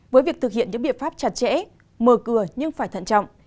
với việc thực hiện những biện pháp chặt chẽ mở cửa nhưng phải thận trọng